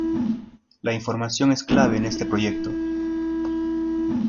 La información es clave en este proyecto.